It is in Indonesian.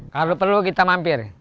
kalau perlu kita mampir